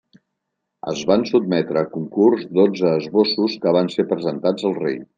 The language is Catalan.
Es van sotmetre a concurs dotze esbossos que van ser presentats al rei.